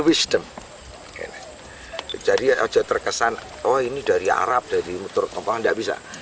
wisdom lokal jadi saja terkesan oh ini dari arab dari muter tidak bisa